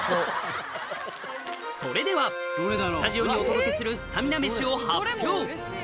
それではスタジオにお届けするスタミナ飯を発表